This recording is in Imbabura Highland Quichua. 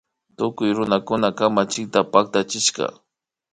Tukuy runakuna kamachikta paktachishpa